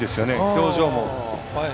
表情も。